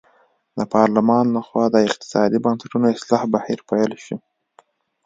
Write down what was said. د پارلمان له خوا د اقتصادي بنسټونو اصلاح بهیر پیل شو.